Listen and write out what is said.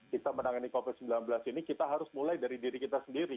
kita menangani covid sembilan belas ini kita harus mulai dari diri kita sendiri